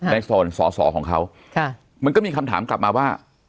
ในซอสรค่ะมันก็มีคำถามกลับมาว่า